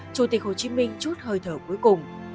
chủ tịch hồ chí minh chút hơi thở cuối cùng